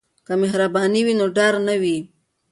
که مهرباني وي نو ډار نه وي.